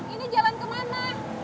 ini jalan kemana